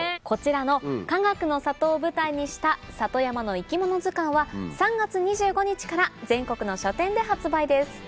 こちらのかがくの里を舞台にした『里山の生き物図鑑』は３月２５日から全国の書店で発売です。